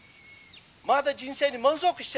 「まだ人生に満足してない？」。